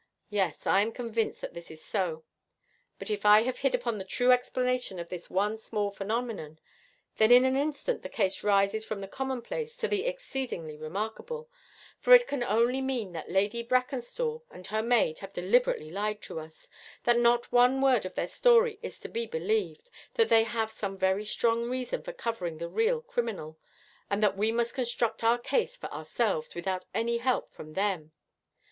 Yes, I am convinced that this is so. But if I have hit upon the true explanation of this one small phenomenon, then in an instant the case rises from the commonplace to the exceedingly remarkable, for it can only mean that Lady Brackenstall and her maid have deliberately lied to us, that not one word of their story is to be believed, that they have some very strong reason for covering the real criminal, and that we must construct our case for ourselves without any help from them.